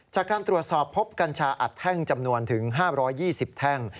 จากการตรวจสอบพบกัญชาอัดแท่งจำนวนถึง๕๒๐แท่ง